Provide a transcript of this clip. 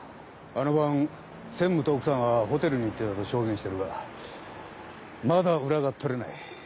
あの晩専務と奥さんはホテルに行ってたと証言しているがまだ裏が取れない。